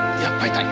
痛い。